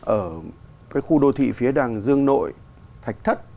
ở cái khu đô thị phía đằng dương nội thạch thất